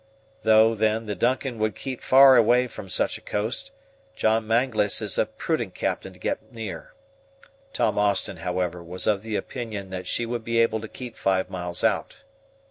Though, then, the DUNCAN would keep far away from such a coast, John Mangles is a prudent captain to get near. Tom Austin, however, was of the opinion that she would be able to keep five miles out.